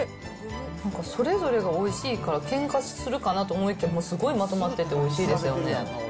なんかそれぞれがおいしいから、けんかするかなと思いきや、すごいまとまってておいしいですよね。